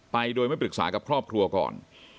ไปโดยไม่ปรึกษากับครอบครัวก่อน